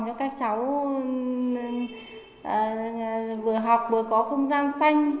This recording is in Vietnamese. cho các cháu vừa học vừa có không gian xanh